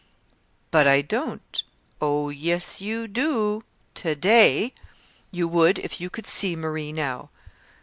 "But I don't." "Oh, yes, you do to day! You would if you could see Marie now."